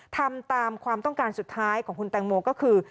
ทำตามความต้องการสุดท้ายของคุณแตงโมก็คือ